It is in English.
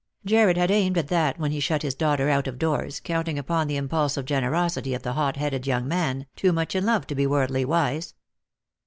Jarred had aimed at that when he shut his daughter out of doors, counting upon the impulsive generosity of a hot headed young man, too much in love to be worldly wise.